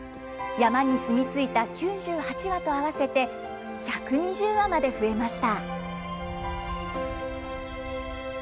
山に住み着いた９８羽と合わせて１２０羽まで増えました。